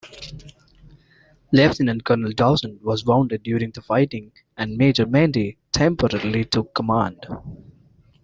Lieutenant Colonel Dawson was wounded during the fighting and Major Menday temporarily took command.